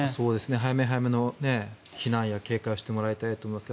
早め早めの避難や警戒をしてもらいたいと思います。